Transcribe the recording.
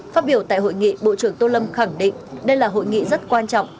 phát biểu tại hội nghị bộ trưởng tô lâm khẳng định đây là hội nghị rất quan trọng